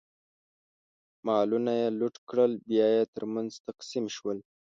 مالونه یې لوټ کړل، بیا یې ترمنځ تقسیم شول.